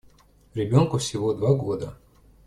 Ребенку всего два года.